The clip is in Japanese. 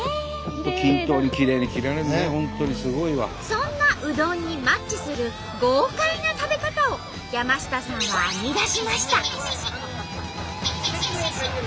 そんなうどんにマッチする豪快な食べ方を山下さんは編み出しました。